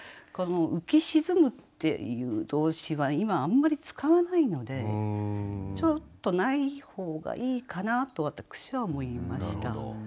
この「浮き沈む」っていう動詞は今あんまり使わないのでちょっとない方がいいかなと私は思いました。